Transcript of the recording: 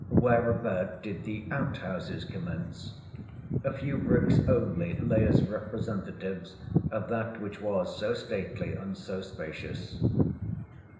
Whereabout did the out houses commence? a few bricks only lay as representatives of that which was so stately and so spacious.